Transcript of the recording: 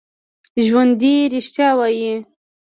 ژوندي رښتیا وايي